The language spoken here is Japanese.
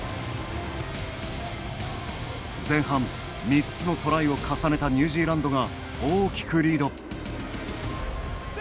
前半、３つのトライを重ねたニュージーランドが大きくリード。